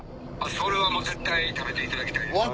それはもう絶対食べていただきたいです。